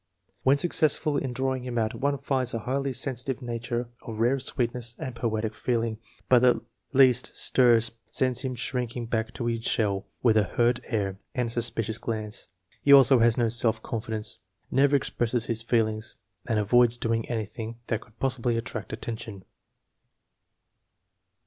When successful in drawing him out one finds a highly sensi tive nature of rare sweetness and poetic feeling. But the least stir sends him shrinking back into his shell with a hurt air and a suspicious glance. He has no self confidence, never expresses his feelings, and avoids doing anything that could possibly attract attention.